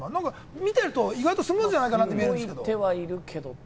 見てると意外とスムーズじゃないかな？と見えるんだけれども。